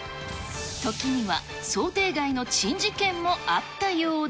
時には想定外の珍事件もあったようで。